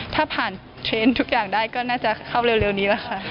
ถ้าผ่านเทรนด์ทุกอย่างได้ก็น่าจะเข้าเร็วนี้แหละค่ะ